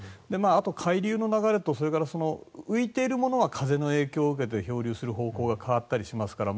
あと海流の流れと浮いているものは風の影響を受けて漂流する方向が変わったりしますから。